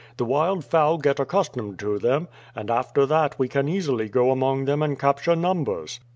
The wild fowl get accustomed to them, and after that we can easily go among them and capture numbers."